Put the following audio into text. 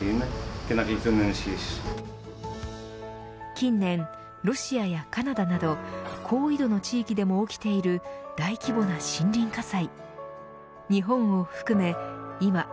近年、ロシアやカナダなど高緯度の地域でも起きている大規模な森林火災。